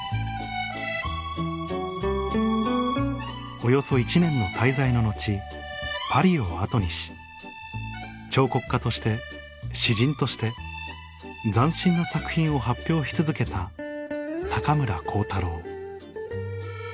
およそ１年の滞在の後パリを後にし彫刻家として詩人として斬新な作品を発表し続けた高村光太郎